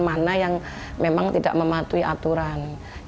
mana yang memang tidak mematuhi aturan